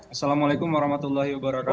assalamualaikum warahmatullahi wabarakatuh